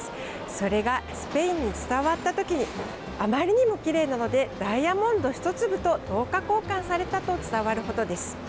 それがスペインに伝わった時にあまりにもきれいなのでダイヤモンド１粒と等価交換されたと伝わるほどです。